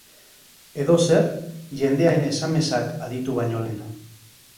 Edozer, jendearen esamesak aditu baino lehen.